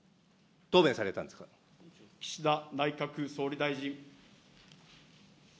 岸田内閣総理大臣。